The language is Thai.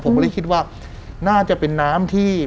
ผมก็เลยคิดว่าน่าจะเป็นน้ำที่